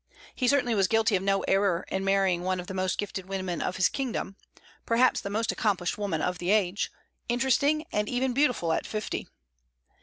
He certainly was guilty of no error in marrying one of the most gifted women of his kingdom, perhaps the most accomplished woman of the age, interesting and even beautiful at fifty.